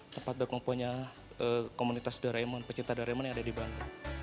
tempat berkomponya komunitas doraemon pecinta doraemon yang ada di bandung